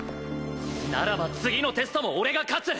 ならば次のテストも俺が勝つ！